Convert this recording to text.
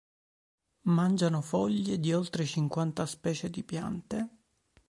Mangiano foglie di oltre cinquanta specie di piante.